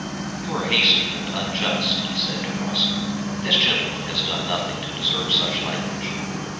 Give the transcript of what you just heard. "You are hasty and unjust," he said to Rosser; "this gentleman has done nothing to deserve such language."